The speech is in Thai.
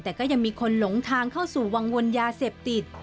แต่ก็ยังมีคนหลงทางเข้าสู่วังวนยาเสพติด